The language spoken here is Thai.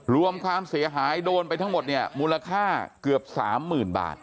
รวมความเสียหายโดนไปทั้งหมดเนี่ยมูลค่าเกือบสามหมื่นบาท